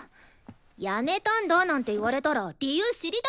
「やめたんだ」なんて言われたら理由知りたくなるじゃん！